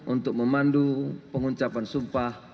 untuk memandu pengucapan sumpah